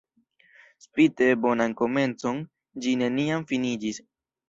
Spite bonan komencon, ĝi neniam finiĝis.